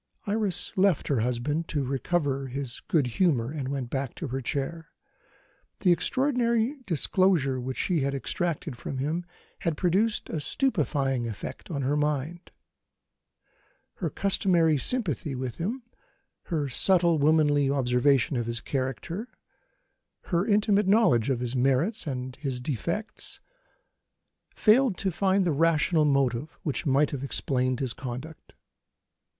Iris left her husband to recover his good humour, and went back to her chair. The extraordinary disclosure which she had extracted from him had produced a stupefying effect on her mind. Her customary sympathy with him, her subtle womanly observation of his character, her intimate knowledge of his merits and his defects, failed to find the rational motive which might have explained his conduct.